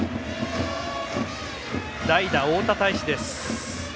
代打、大田泰示です。